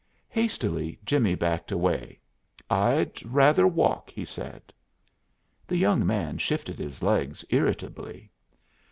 Hastily Jimmie backed away. "I'd rather walk," he said. The young man shifted his legs irritably.